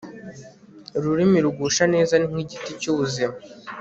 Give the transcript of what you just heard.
ururimi rugusha neza ni nk'igiti cy'ubuzima